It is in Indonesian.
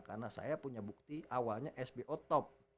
karena saya punya bukti awalnya sbo top